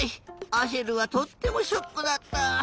アシェルはとってもショックだった。